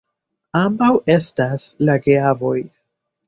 Ambaŭ estas la geavoj.